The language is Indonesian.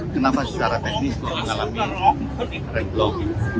kenapa secara teknis kita mengalami red block